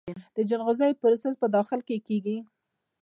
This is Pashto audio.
د جلغوزیو پروسس په داخل کې کیږي؟